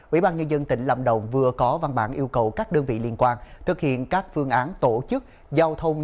ubnd tỉnh lâm đồng vừa có văn bản yêu cầu các đơn vị liên quan thực hiện các phương án tổ chức giao thông